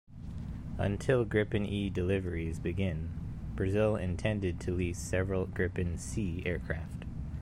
Until Gripen E deliveries begin, Brazil intended to lease several Gripen C aircraft.